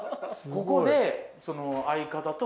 ここで。